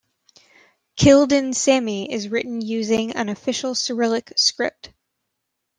Kildin Sami is written using an official Cyrillic script.